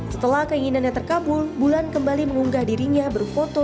setelah keinginannya terkabul bulan kembali mengunggah dirinya berfoto